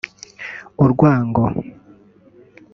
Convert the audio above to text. urwango